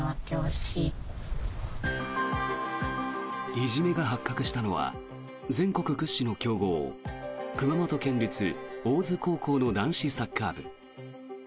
いじめが発覚したのは全国屈指の強豪熊本県立大津高校の男子サッカー部。